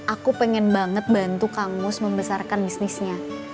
aku pengen banget bantu kang mus membesarkan bisnisnya